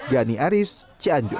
gani aris cianjur